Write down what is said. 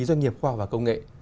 doanh nghiệp khoa học và công nghệ